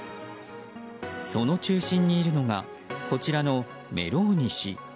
その中心にいるのがこちらのメローニ氏。